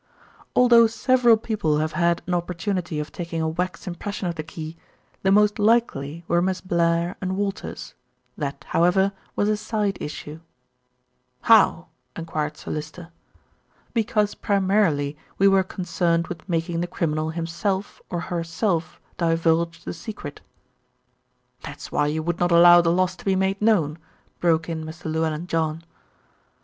"Although several people have had an opportunity of taking a wax impression of the key, the most likely were Miss Blair and Walters that, however, was a side issue." "How?" enquired Sir Lyster. "Because primarily we were concerned with making the criminal himself or herself divulge the secret." "That's why you would not allow the loss to be made known," broke in Mr. Llewellyn John.